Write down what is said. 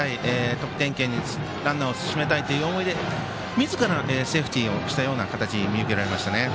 得点圏にランナーを進めたいという思いでみずからセーフティーをしたような形に見受けられました。